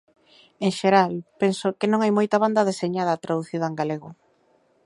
En xeral, penso que non hai moita banda deseñada traducida en galego.